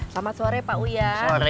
selamat sore pak uya